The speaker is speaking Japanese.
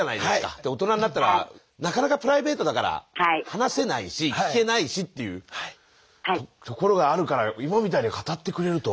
で大人になったらなかなかプライベートだから話せないし聞けないしっていうところがあるから今みたいに語ってくれると。